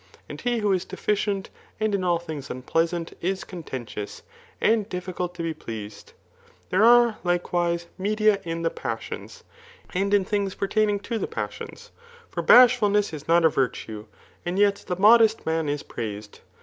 And he who is deficient, and in all things unpleasant, is contentious, and difficult to be pleased^ There are, likewise, media in the passions, and in things pertaining to the pas^ons ; for bashfiilness is not a virtue, and yet the modest man is praised.